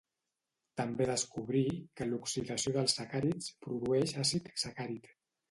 També descobrí que l'oxidació dels sacàrids produeix àcid sacàrid.